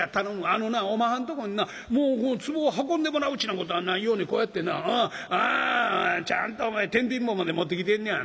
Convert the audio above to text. あのなおまはんとこになつぼを運んでもらうっちゅうなことはないようにこうやってなちゃんとお前てんびん棒まで持ってきてんのや。